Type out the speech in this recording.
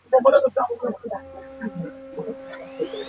An kum an i ruang.